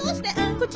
こっち？